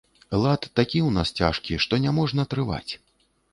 Лад такі ў нас цяжкі, што няможна трываць.